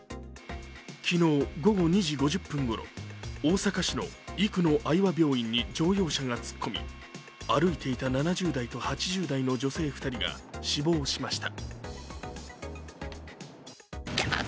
昨日午後２時５０分ごろ、大阪市の生野愛和病院に乗用車が突っ込み歩いていた７０代と８０代の女性２人が死亡しました。